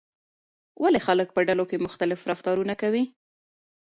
ولې خلک په ډلو کې مختلف رفتارونه کوي؟